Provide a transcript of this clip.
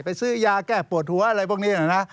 ซื้อยาแก้ปวดหัวอะไรพวกนี้นะ